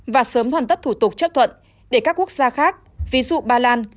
và sớm hoàn tất thủ tục chấp thuận để các quốc gia khác ví dụ ba lan